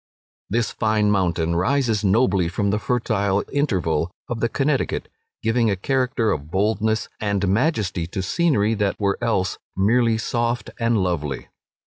This fine mountain rises nobly from the fertile Interval of the Connecticut, giving a character of boldness and majesty to scenery that were else merely soft and lovely.